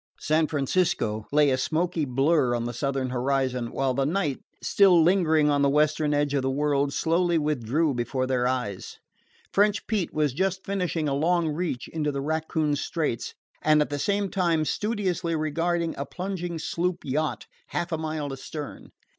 San Francisco lay a smoky blur on the southern horizon, while the night, still lingering on the western edge of the world, slowly withdrew before their eyes. French Pete was just finishing a long reach into the Raccoon Straits, and at the same time studiously regarding a plunging sloop yacht half a mile astern.